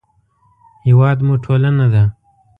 هېواد مو ټولنه ده